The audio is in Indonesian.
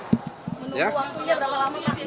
menunggu waktunya berapa lama pak